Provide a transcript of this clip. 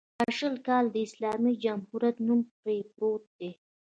دا شل کاله د اسلامي جمهوریت نوم پرې پروت دی.